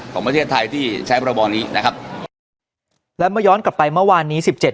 ของประเทศไทยที่ใช้บรบอนี้นะครับแล้วเมื่อย้อนกลับไปเมื่อวานนี้สิบเจ็ด